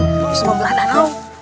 harus membelah danau